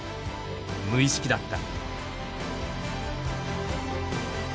無意識だった。